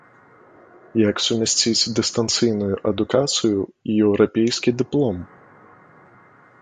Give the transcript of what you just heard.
Як сумясціць дыстанцыйную адукацыю і еўрапейскі дыплом?